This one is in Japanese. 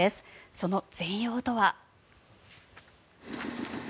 その全容とは。